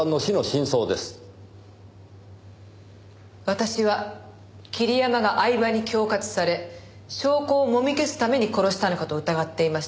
私は桐山が饗庭に恐喝され証拠をもみ消すために殺したのかと疑っていました。